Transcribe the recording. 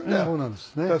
そうなんですね。